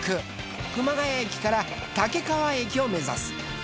熊谷駅から武川駅を目指す。